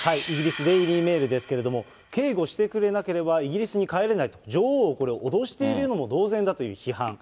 イギリス・デイリーメールですけれども、警護してくれなければ、イギリスに帰れないと、女王を脅しているのも同然だと批判。